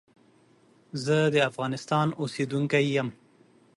زه دافغانستان اوسیدونکی یم.